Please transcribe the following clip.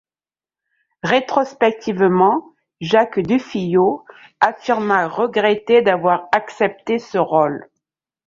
Rétrospectivement, Jacques Dufilho affirma regretter d'avoir accepté ce rôle.